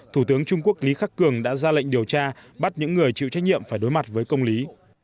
thủ tướng trung quốc lý khắc cường đã ra lệnh điều tra bắt những người chịu trách nhiệm phải đối mặt với công lý